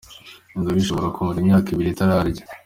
Inzoka ishobora kumara imyaka ibiri itararya.